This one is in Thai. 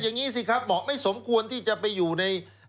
อย่างนี้สิครับเหมาะไม่สมควรที่จะไปอยู่ใน